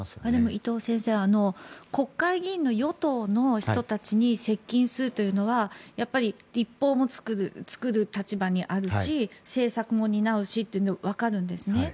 伊藤先生国会議員の与党の人たちに接近するというのはやっぱり立法を作る立場にあるし政策も担うしというのはわかるんですね。